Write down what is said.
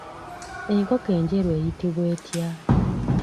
Enkoko enjeru eyitibwa etya?